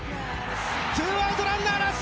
ツーアウトランナーなし。